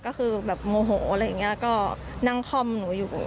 ก็คือแบบโมโหอะไรอย่างนี้ก็นั่งคล่อมหนูอยู่